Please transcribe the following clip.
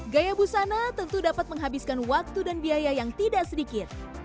gaya busana tentu dapat menghabiskan waktu dan biaya yang tidak sedikit